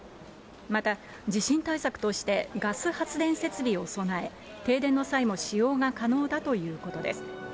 また、地震対策としてガス発電設備を備え、停電の際も使用が可能だということです。